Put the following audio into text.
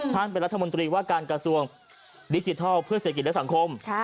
ท่านเป็นรัฐมนตรีว่าการกระทรวงดิจิทัลเพื่อเศรษฐกิจและสังคม